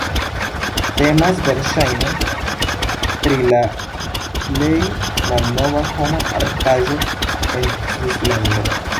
Temas verŝajne pri la plej malnova homa artaĵo en Svislando.